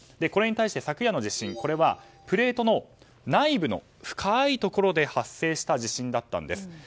これに対して昨夜の地震はプレートの内部の深いところで発生した地震だったんです。